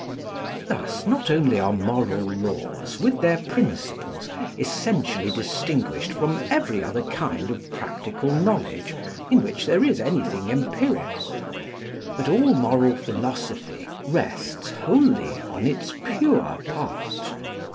Thus not only are moral laws with their principles essentially distinguished from every other kind of practical knowledge in which there is anything empirical, but all moral philosophy rests wholly on its pure part.